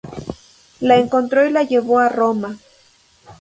La encontró y la llevó a Roma.